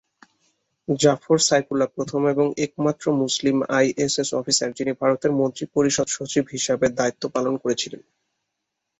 জাফর সাইফুল্লাহ প্রথম এবং একমাত্র মুসলিম আইএএস অফিসার যিনি ভারতের মন্ত্রিপরিষদ সচিব হিসাবে দায়িত্ব পালন করেছিলেন।